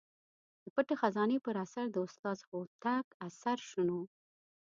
د پټې خزانې پر اثر د استاد هوتک اثر شنو.